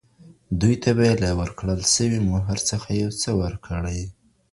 دوی ته به ئې له ورکړل سوي مهر څخه يو څه ورکړې.